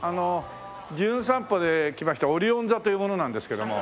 『じゅん散歩』で来ましたオリオン座という者なんですけども。